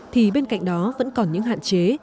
thì bên cạnh đó vẫn còn những hạn chế